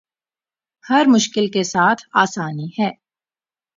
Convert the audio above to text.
ہر مشکل کے ساتھ آسانی ہے